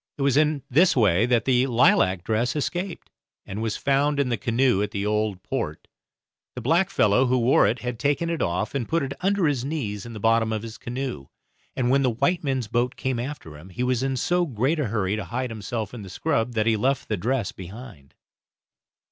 It was in this way that the lilac dress escaped, and was found in the canoe at the Old Port; the blackfellow who wore it had taken it off and put it under his knees in the bottom of his canoe, and when the white men's boat came after him, he was in so great a hurry to hide himself in the scrub that he left the dress behind.